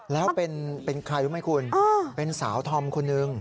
แล้วเป็นใครรู้ไหมคุณเป็นสาวธอมคนหนึ่ง